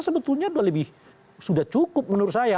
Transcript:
sebetulnya sudah cukup menurut saya